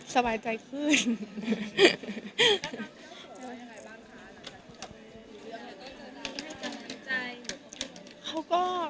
สบายใจสบายใจขึ้น